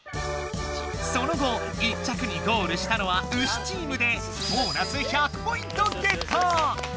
その後１着にゴールしたのはウシチームでボーナス１００ポイントゲット！